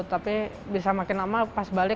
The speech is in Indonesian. tapi bisa makin lama pasti tidak bisa berjalan jalan